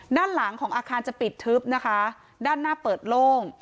ด้านหลังของอาคารจะปิดทึบนะคะด้านหน้าเปิดโล่ง